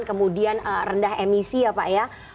kemudian rendah emisi ya pak ya